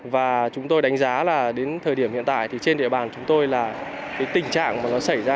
và chúng tôi đánh giá là đến thời điểm hiện tại thì trên địa bàn chúng tôi là cái tình trạng mà nó xảy ra